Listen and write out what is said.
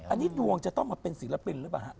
อันนี้ดวงจะต้องมาเป็นศิลปินหรือเปล่าฮะ